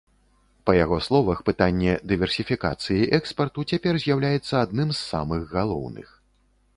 Па яго словах, пытанне дыверсіфікацыі экспарту цяпер з'яўляецца адным з самых галоўных.